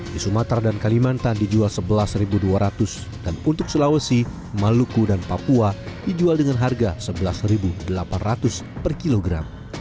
di sumatera dan kalimantan dijual rp sebelas dua ratus dan untuk sulawesi maluku dan papua dijual dengan harga rp sebelas delapan ratus per kilogram